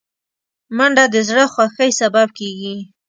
منډه د زړه خوښۍ سبب کېږي